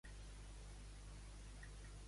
Com eren les animalades abans?